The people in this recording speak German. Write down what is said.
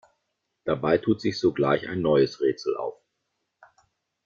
Dabei tut sich sogleich ein neues Rätsel auf.